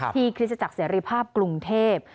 คริสตจักรเสรีภาพกรุงเทพ